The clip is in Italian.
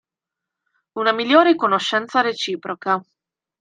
Una migliore conoscenza reciproca.